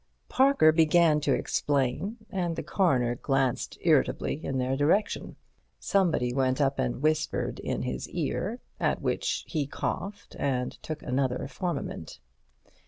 Parker began to explain, and the coroner glanced irritably in their direction. Somebody went up and whispered in his ear, at which he coughed, and took another Formamint.